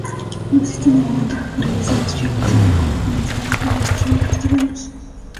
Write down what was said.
No existen de momento previsiones fiables sobre cuándo comenzará la urbanización de estos terrenos.